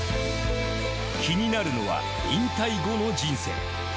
気になるのは引退後の人生。